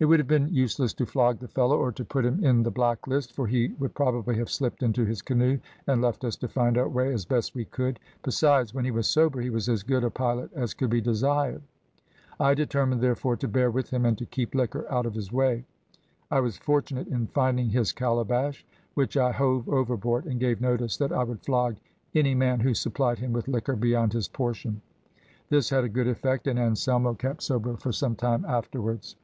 "It would have been useless to flog the fellow or to put him in the black list, for he would probably have slipped into his canoe, and left us to find our way as best we could; besides, when he was sober, he was as good a pilot as could be desired. I determined therefore to bear with him and to keep liquor out of his way. I was fortunate in finding his calabash, which I hove overboard, and gave notice that I would flog any man who supplied him with liquor beyond his portion. This had a good effect, and Anselmo kept sober for some time afterwards.